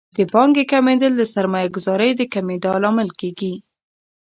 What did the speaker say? د پانګې کمیدل د سرمایه ګذارۍ د کمیدا لامل کیږي.